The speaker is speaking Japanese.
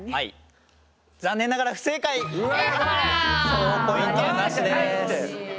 ほぉポイントはなしです。